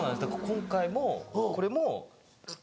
今回もこれもウッ！